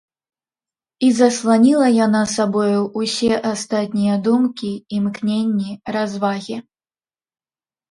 І засланіла яна сабою ўсе астатнія думкі, імкненні, развагі.